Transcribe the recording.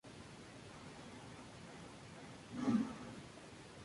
La sede del condado es Odessa, al igual que su mayor ciudad.